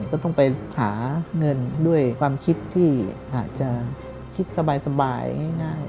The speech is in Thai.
ก็ต้องไปหาเงินด้วยความคิดที่อาจจะคิดสบายง่าย